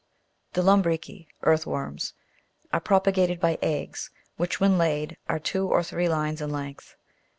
11. The lumbrici (earth worms) are propa gated by eggs, which, when laid, are two or three lines in length.